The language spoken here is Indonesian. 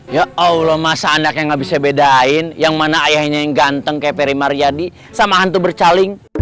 ya allah masa anaknya nggak bisa bedain yang mana ayahnya yang ganteng kayak peri mariyadi sama hantu bercaling